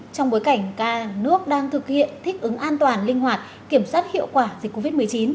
trong bối cảnh nước đang thực hiện thích ứng an toàn linh hoạt kiểm soát hiệu quả dịch covid một mươi chín